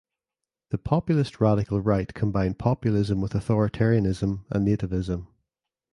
The populist radical right combined populism with authoritarianism and nativism.